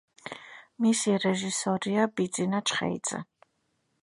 მისი რეჟისორია ბიძინა ჩხეიძე.